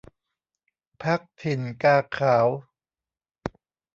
พรรคถิ่นกาขาว